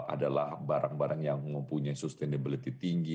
adalah barang barang yang mempunyai sustainability tinggi